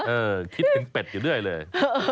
เออคิดถึงเบ็ดอยู่ด้วยเลย